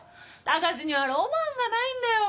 高志にはロマンがないんだよ。